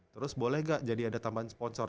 terus boleh gak jadi ada tambahan sponsor